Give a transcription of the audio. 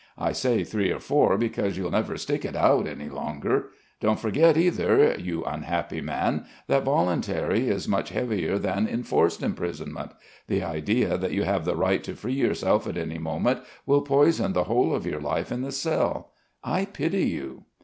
I say three or four, because you'll never stick it out any longer. Don't forget either, you unhappy man, that voluntary is much heavier than enforced imprisonment. The idea that you have the right to free yourself at any moment will poison the whole of your life in the cell. I pity you."